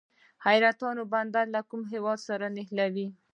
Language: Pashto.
حیرتان بندر له کوم هیواد سره نښلوي؟